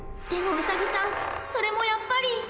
でもウサギさんそれもやっぱり。